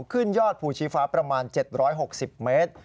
ขึ้นยอดภูชีฟ้าประมาณ๗๖๐เมตร